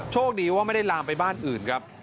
โชคดีว่าไม่ได้ลามไปบ้านอื่นครับ